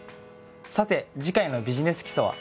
さて次回の「ビジネス基礎」は。